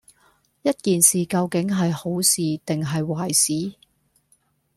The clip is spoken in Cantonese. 一件事究竟係好事定係壞事